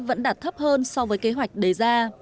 vẫn đạt thấp hơn so với kế hoạch đề ra